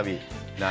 何？